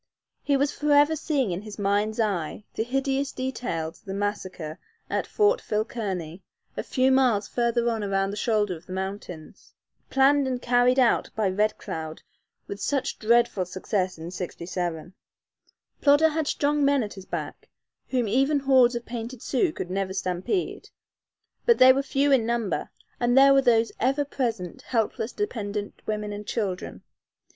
He was forever seeing in mind's eye the hideous details of the massacre at Fort Phil Kearny, a few miles further on around the shoulder of the mountains, planned and carried out by Red Cloud with such dreadful success in '67. Plodder had strong men at his back, whom even hordes of painted Sioux could never stampede, but they were few in number, and there were those ever present helpless, dependent women and children.